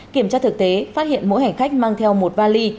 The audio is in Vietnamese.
kiểm tra thực tế phát hiện mỗi hành khách mang theo một vali